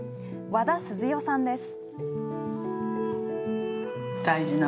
和田鈴代さんです。